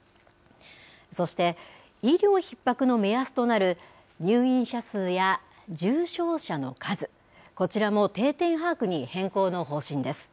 そして、医療ひっ迫の目安となる入院者数や重症者の数、こちらも定点把握に変更の方針です。